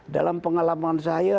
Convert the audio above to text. dalam pengalaman saya